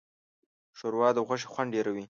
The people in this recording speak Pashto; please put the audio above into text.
ښوروا د غوښې خوند ډېروي.